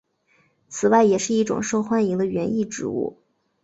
此外也是一种受欢迎的园艺植物。